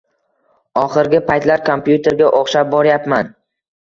Oxirgi paytlar kompyuterga o'xshab boryapman